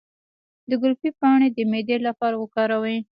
د ګلپي پاڼې د معدې لپاره وکاروئ